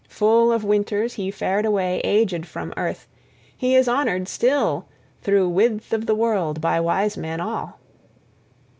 Full of winters, he fared away aged from earth; he is honored still through width of the world by wise men all.